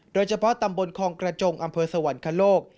โดยเฉพาะตำบลคองกระจงอำเภอสวรรคโลก